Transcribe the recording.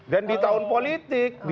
dan di tahun politik